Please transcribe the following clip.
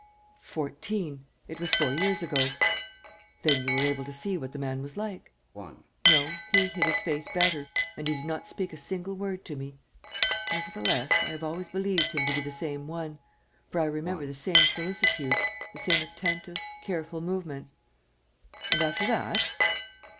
"Fourteen ... it was four years ago." "Then you were able to see what the man was like?" "No, he hid his face better and he did not speak a single word to me. ... Nevertheless, I have always believed him to be the same one ... for I remember the same solicitude, the same attentive, careful movements. ..." "And after that?"